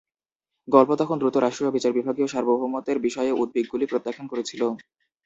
গল্প তখন দ্রুত রাষ্ট্রীয় বিচার বিভাগীয় সার্বভৌমত্বের বিষয়ে উদ্বেগগুলি প্রত্যাখ্যান করেছিল।